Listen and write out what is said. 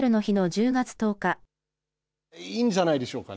いいんじゃないでしょうかね。